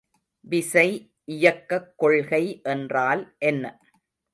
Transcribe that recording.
விசை இயக்கக் கொள்கை என்றால் என்ன?